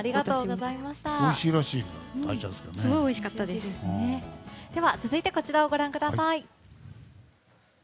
では続いてこちらをご覧ください。